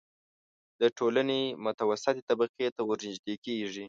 د ټولنې متوسطې طبقې ته ورنژدې کېږي.